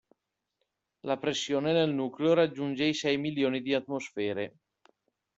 La pressione nel nucleo raggiunge i sei milioni di atmosfere.